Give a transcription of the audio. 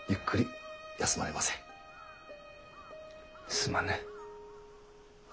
すまぬ。